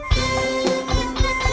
kamu juga sama